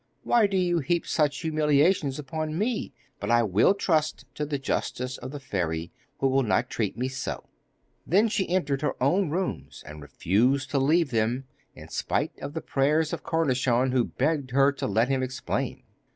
Why do you heap such humiliations upon me? But I will trust to the justice of the fairy, who will not treat me so.' Then she entered her own rooms, and refused to leave them, in spite of the prayers of Cornichon, who begged her to let him explain.